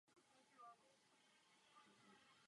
Obec tím rychle ztratila svůj vesnický charakter.